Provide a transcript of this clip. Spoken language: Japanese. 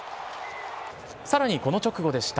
さらに、この直後でした。